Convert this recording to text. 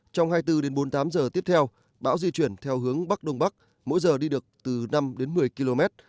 trong hai mươi bốn đến bốn mươi tám giờ tiếp theo bão di chuyển theo hướng bắc đông bắc mỗi giờ đi được từ năm đến một mươi km